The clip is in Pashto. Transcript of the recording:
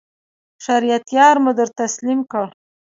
شریعت یار مو در تسلیم کړ.